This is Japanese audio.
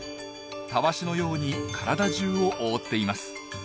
タワシのように体じゅうを覆っています。